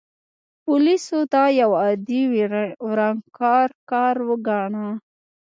پولیسو دا یو عادي ورانکار کار وګاڼه.